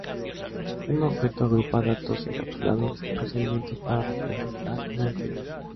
Un objeto agrupa datos encapsulados y procedimientos para representar una entidad.